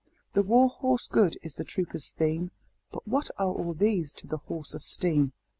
The war horse good is the trooper's theme But what are all these to the horse of steam?